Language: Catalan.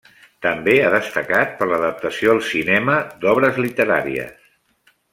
També ha destacat per l'adaptació al cinema d'obres literàries.